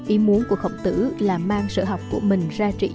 ý muốn của khổng tử là mang sự học của mình ra trị dân